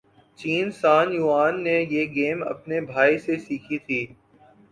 چین San Yuan نے یہ game اپنے بھائی سے سیکھی تھی